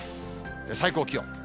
最高気温。